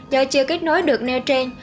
do chưa kết nối được nêu trên